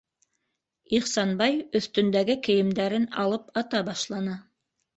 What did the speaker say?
Ихсанбай өҫтөндәге кейемдәрен алып ата башланы.